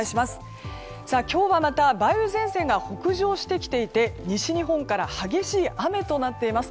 今日は、また梅雨前線が北上してきていて西日本から激しい雨となっています。